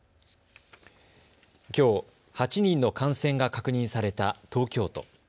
きょう８人の感染が確認された東京都。